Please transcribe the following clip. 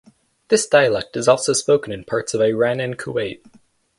This dialect is also spoken in parts of Iran and Kuwait.